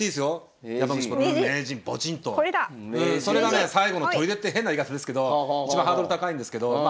それがね最後のとりでって変な言い方ですけどいちばんハードル高いんですけど。